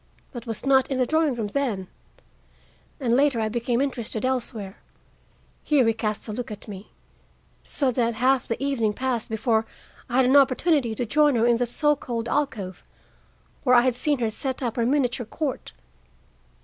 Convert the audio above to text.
But was not in the drawing room then, and later I became interested elsewhere"—here he cast a look at me—"so that half the evening passed before I had an opportunity to join her in the so called alcove, where I had seen her set up her miniature court.